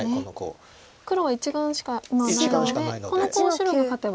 黒は１眼しか今はないのでこのコウを白が勝てば。